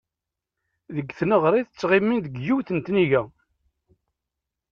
Deg tneɣrit ttɣimin deg yiwet n tgida.